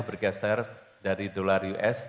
bergeser dari dolar us